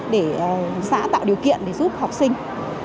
để xã tạo điều kiện để giúp học sinh